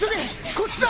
こっちだ！